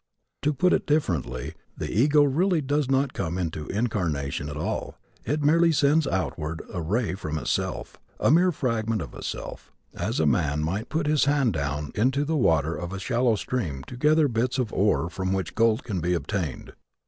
To put it differently, the ego really does not come into incarnation at all. It merely sends outward a ray from itself a mere fragment of itself, as a man might put his hand down into the water of a shallow stream to gather bits of ore from which gold can be obtained.